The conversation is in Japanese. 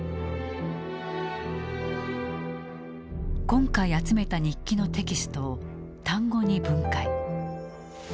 今回集めた日記のテキストを単語に分解。